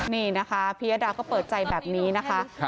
นี่นะคะพิยดาก็เปิดใจแบบนี้นะคะ